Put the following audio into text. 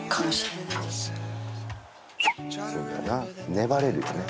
粘れるよね